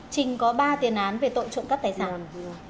trinh có ba tiền án về tội trộm cắp tài sản